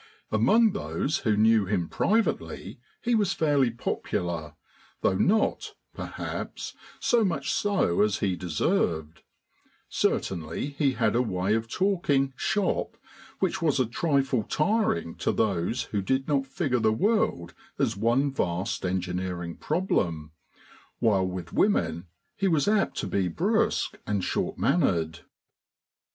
Among those who knew him privately he was fairly popular, though not, perhaps, so much so as he deserved; certainly he had a way of talking "shop" which was a trifle tiring to those who did not figure the world as one vast engineering problem, while with women he was apt to be brusque and short mannered.